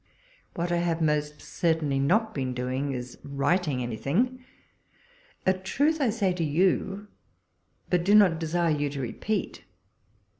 What I have most certainly not been doing, is writing anything : a truth I say to you, but do not desire you to repeat.